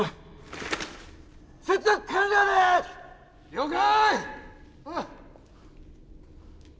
了解！